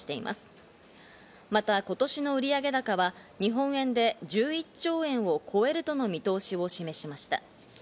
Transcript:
また今年の売上高は日本円で１１兆円を超えるとの見通しを示しました。